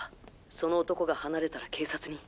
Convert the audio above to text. その男が離れたら警察に。